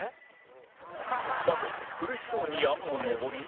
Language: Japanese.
まずは苦しそうに山を登り